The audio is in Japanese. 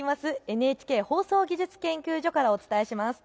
ＮＨＫ放送技術研究所からお伝えします。